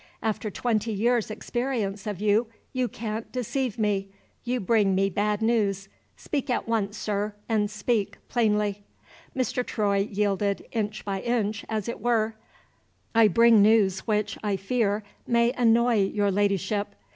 After twenty years' experience of you, you can't deceive me. You bring me bad news. Speak at once, sir, and speak plainly." Mr. Troy yielded inch by inch, as it were. "I bring news which, I fear, may annoy your Ladyship."